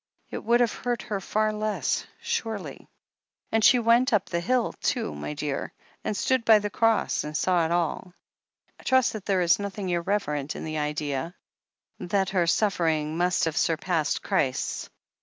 It would have hurt her far less, surely. "And she went up the hill, too, my dear, and stood by the Cross and saw it all. And I have always thought to myself — I trust there is nothing irreverent in the idea — ^that her suffering must have surpassed Christ's.